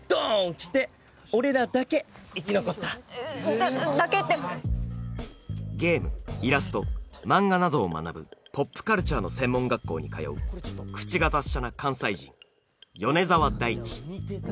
来て俺らだけ生き残っただけってゲームイラスト漫画などを学ぶポップカルチャーの専門学校に通う口が達者な関西人米澤大地